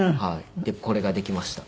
でこれができました。